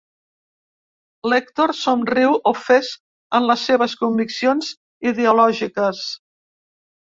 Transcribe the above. L'Èctor somriu, ofès en les seves conviccions ideològiques.